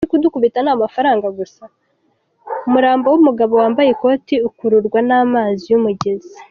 – umurambo w’umugabo wambaye ikoti ukururwa n’amazi y’umugezi